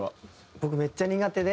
僕めっちゃ苦手で。